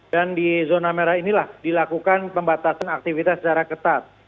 dan di zona merah inilah dilakukan pembatasan aktivitas secara ketat